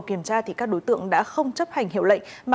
không đội mũ bảo hiểm